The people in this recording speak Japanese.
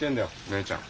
姉ちゃん。